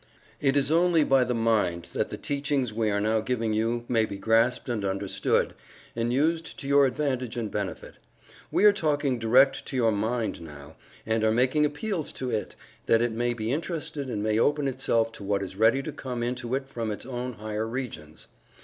It is only by the mind that the teachings we are now giving you may be grasped and understood, and used to your advantage and benefit. We are talking direct to your mind now, and are making appeals to it, that it may be interested and may open itself to what is ready to come into it from its own higher regions.